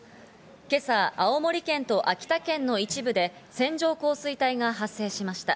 今朝、青森県と秋田県の一部で線状降水帯が発生しました。